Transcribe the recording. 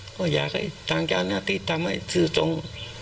ก็อยากให้ทางเจ้าหน้าที่ทำให้ซื้อตรง